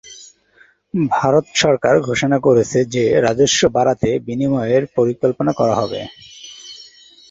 ভারত সরকার ঘোষণা করেছে যে রাজস্ব বাড়াতে বিনিময়ের পরিকল্পনা করা হবে।